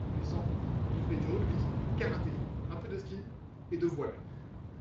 Adolescent, il fait du rugby, karaté, un peu de ski, et de voile.